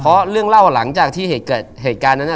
เพราะเรื่องเล่าหลังจากที่เกิดเหตุการณ์นั้น